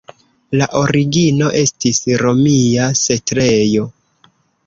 La origino estis romia setlejo.